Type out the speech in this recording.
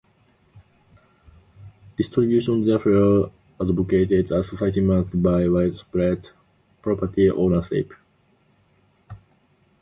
Distributism, therefore, advocates a society marked by widespread property ownership.